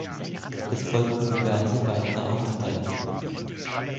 Es folgten diverse weitere Aufenthalte.